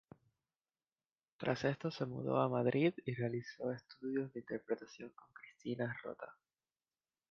Tras esto se mudó a Madrid y realizó estudios de Interpretación con Cristina Rota.